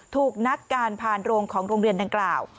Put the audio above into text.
ถูกนักการผ่านโรงของโรงเรียนดังกล่าว